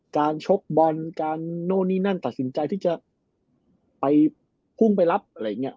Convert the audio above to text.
ชกบอลการโน่นนี่นั่นตัดสินใจที่จะไปพุ่งไปรับอะไรอย่างนี้